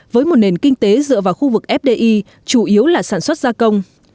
với một nền kinh tế dựa vào khu vực fdi chủ yếu là sản xuất gia công